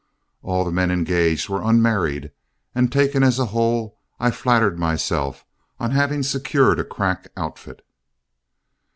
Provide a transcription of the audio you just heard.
All the men engaged were unmarried, and taken as a whole, I flattered myself on having secured a crack outfit.